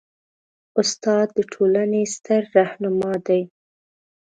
استاد د ټولنې ستر رهنما دی.